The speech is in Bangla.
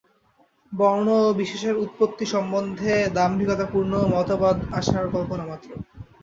বর্ণ-বিশেষের উৎপত্তি সম্বন্ধে দাম্ভিকতাপূর্ণ মতবাদ অসার কল্পনামাত্র।